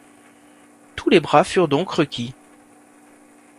Tous les bras furent donc requis